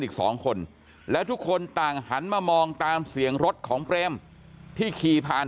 อีกสองคนแล้วทุกคนต่างหันมามองตามเสียงรถของเปรมที่ขี่ผ่าน